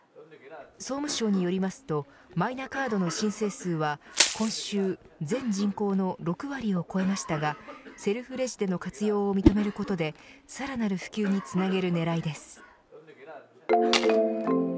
総務省によりますとマイナカードの申請数は今週、全人口の６割を超えましたがセルフレジでの活用を認めることでさらなる普及につなげる狙いです。